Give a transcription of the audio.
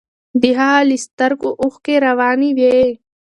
د هغه له سترګو اوښکې روانې وې.